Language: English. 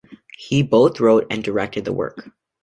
He both wrote and directed the work.